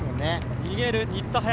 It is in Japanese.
逃げる新田颯。